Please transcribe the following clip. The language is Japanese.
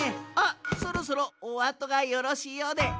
あっそろそろおあとがよろしいようで。